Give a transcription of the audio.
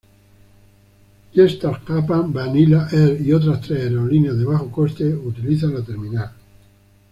Jetstar Japan, Vanilla Air y otras tres aerolíneas de bajo coste utilizan la terminal.